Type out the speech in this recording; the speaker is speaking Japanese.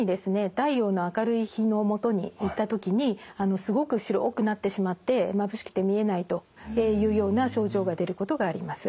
太陽の明るい日のもとに行った時にすごく白くなってしまってまぶしくて見えないというような症状が出ることがあります。